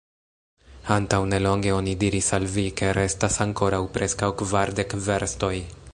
Antaŭnelonge oni diris al vi, ke restas ankoraŭ preskaŭ kvardek verstoj.